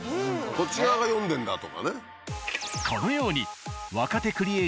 こっち側が読んでんだとかね。